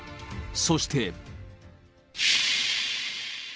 そして。